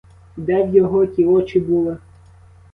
І де в його ті очі були?